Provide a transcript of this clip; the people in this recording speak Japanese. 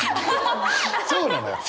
そうなのよ。